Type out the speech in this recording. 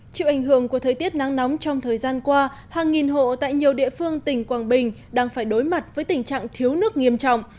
chịu ảnh hưởng của thời tiết nắng nóng trong thời gian qua hàng nghìn hộ tại nhiều địa phương tỉnh quảng bình đang phải đối mặt với tình trạng thiếu nước nghiêm trọng